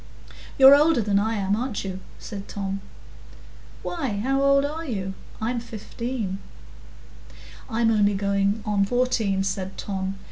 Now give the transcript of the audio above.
"You're older than I am, aren't you?" said Tom. "Why, how old are you? I'm fifteen." "I'm only going in fourteen," said Tom.